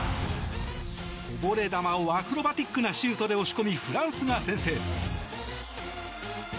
こぼれ球をアクロバティックなシュートで押し込みフランスが先制。